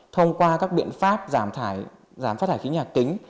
thông qua các biện pháp giảm phát thải khí nhà kính